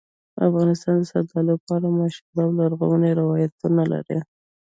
افغانستان د زردالو په اړه مشهور او لرغوني روایتونه لري.